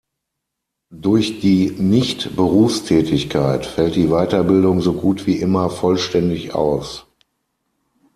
Durch die Nicht-Berufstätigkeit fällt die Weiterbildung so gut wie immer vollständig aus.